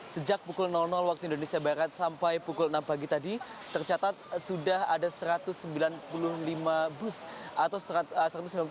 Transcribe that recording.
sejak pukul waktu indonesia barat sampai pukul enam pagi tadi tercatat sudah ada satu ratus sembilan puluh lima bus atau satu ratus lima puluh